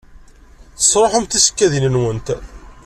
Tesṛuḥemt tisekkadin-nwent.